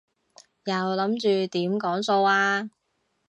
又諗住點講數啊？